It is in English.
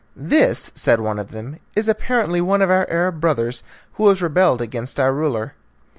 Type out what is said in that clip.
"This," said one of them, "is apparently one of our Arab brothers, who has rebelled against our ruler."